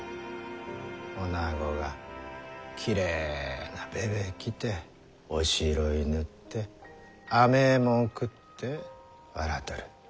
おなごがきれいなべべ着ておしろい塗ってあめえもん食って笑っとる。